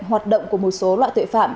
hoạt động của một số loại tội phạm